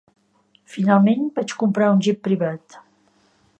Finalment, vaig comprar un jet privat.